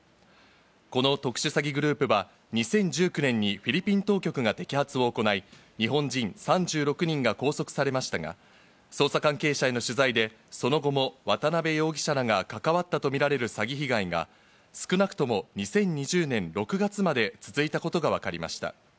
この特殊詐欺グループは２０１９年にフィリピン当局が摘発を行い、日本人３６人が拘束されましたが、捜査関係者への取材で、その後も渡辺容疑者らが関わったとみられる詐欺被害が少なくとも２０２０年６月まで続いたことが分かりました。